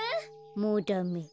もうダメ